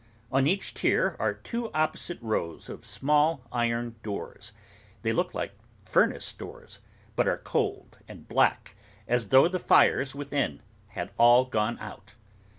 On each tier, are two opposite rows of small iron doors. They look like furnace doors, but are cold and black, as though the fires within had all gone out.